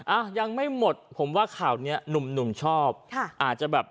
อ่ะยังไม่หมดผมว่าข่าวเนี้ยหนุ่มหนุ่มชอบค่ะอาจจะแบบ